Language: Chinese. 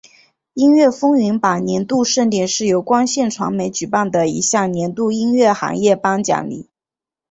音乐风云榜年度盛典是由光线传媒举办的一项年度音乐行业颁奖礼。